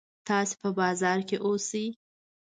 تاسې په بازار کې اوسئ.